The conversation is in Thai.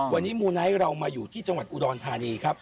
วันนี้มูไนท์เรามาอยู่ที่จังหวัดอุดรธานีครับ